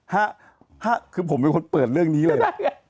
เป็นการนำเรื่องพิชาต่อสังคมอีกนึงนะเป็นการนำเรื่องพิชาต่อสังคมอีกนึงนะ